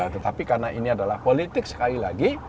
tetapi karena ini adalah politik sekali lagi